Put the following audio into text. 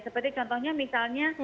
seperti contohnya misalnya